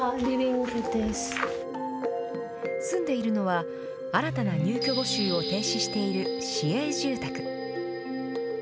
住んでいるのは、新たな入居募集を停止している市営住宅。